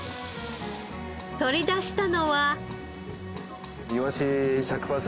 取り出したのは。